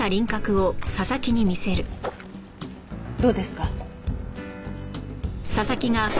どうですか？